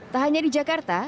tak hanya di jakarta